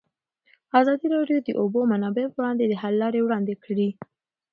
ازادي راډیو د د اوبو منابع پر وړاندې د حل لارې وړاندې کړي.